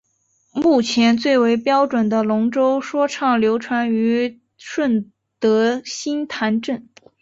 目前最为标准的龙舟说唱流传于顺德杏坛镇。